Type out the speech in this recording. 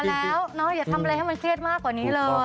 อย่าทำอะไรให้มันเกือดมากกว่านี้เลย